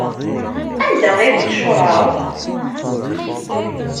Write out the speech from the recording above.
Anda ay ten-tcuṛɛeḍ?